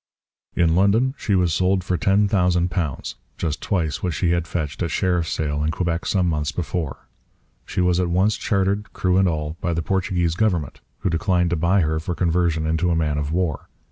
In London she was sold for £10,000, just twice what she had fetched at sheriff's sale in Quebec some months before. She was at once chartered, crew and all, by the Portuguese government, who declined to buy her for conversion into a man of war.